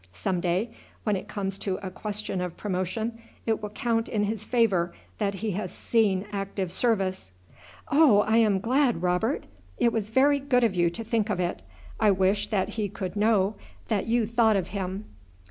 Someday, when it comes to a question of promotion, it will count in his favour that he has seen active service." "Oh, I am glad, Robert! It was very good of you to think of it. I wish that he could know that you thought of him."